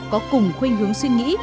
có cùng khuyên hướng suy nghĩ